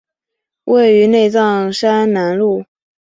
位于内藏山南麓。